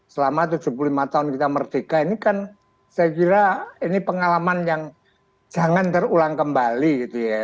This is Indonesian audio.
selama tujuh puluh lima tahun kita merdeka ini kan saya kira ini pengalaman yang jangan terulang kembali gitu ya